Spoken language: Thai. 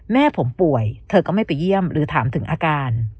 แม่ผมป่วยเธอก็ไม่ไปเยี่ยมหรือถามถึงอาการ